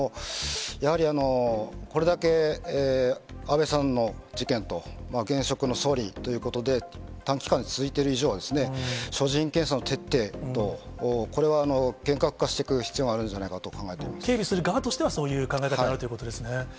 やはりこれだけ安倍さんの事件と、現職の総理ということで、短期間に続いている以上は、所持品検査の徹底等、これは厳格化していく必要があるんじゃない警備する側としては、そういう考え方があるということですね。